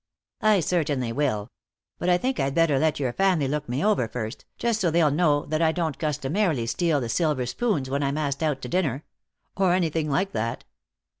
"I certainly will. But I think I'd better let your family look me over first, just so they'll know that I don't customarily steal the silver spoons when I'm asked out to dinner. Or anything like that."